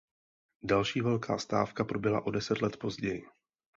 Další velká stávka proběhla o deset let později.